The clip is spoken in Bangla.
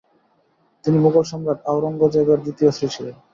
তিনি মোগল সম্রাট আওরঙ্গজেবের দ্বিতীয় স্ত্রী ছিলেন।